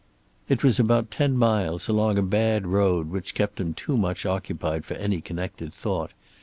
It was about ten miles, along a bad road which kept him too much occupied for any connected thought.